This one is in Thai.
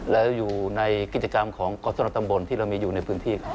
แล้วอยู่ในกิจกรรมของกรชนตำบลที่เรามีอยู่ในพื้นที่เขา